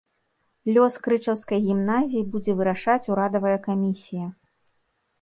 Лёс крычаўскай гімназіі будзе вырашаць ўрадавая камісія.